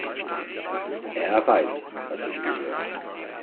Er weiß, was sich gehört.